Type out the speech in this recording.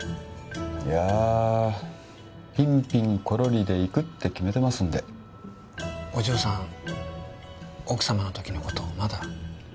いやピンピンコロリで逝くって決めてますんでお嬢さん奥様のときのことをまだ？